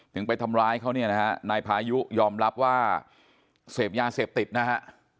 ไปทำร้ายเขาเนี่ยนะฮะนายพายุยอมรับว่าเสพยาเสพติดนะฮะ